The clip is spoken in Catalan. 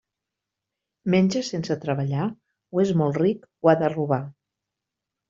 Menja sense treballar? O és molt ric, o ha de robar.